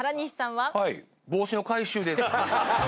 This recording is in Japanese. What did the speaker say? はい帽子の回収です